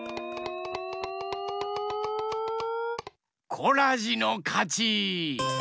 コラジのかち！